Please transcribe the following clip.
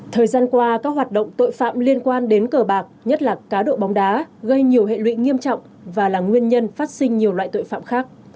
thời gian qua các hoạt động tội phạm liên quan đến cờ bạc nhất là cá độ bóng đá gây nhiều hệ lụy nghiêm trọng và là nguyên nhân phát sinh nhiều loại tội phạm khác